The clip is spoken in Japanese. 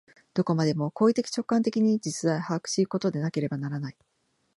どこまでも行為的直観的に実在を把握し行くことでなければならない。